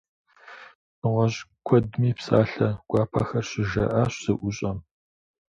Нэгъуэщӏ куэдми псалъэ гуапэхэр щыжаӏащ зэӏущӏэм.